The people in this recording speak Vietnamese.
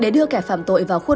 để đưa kẻ phạm tội vào khu giam